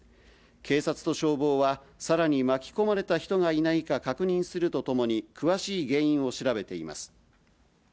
警察と消防は、さらに巻き込まれた人がいないか確認するとともに、詳しい原因を調べています。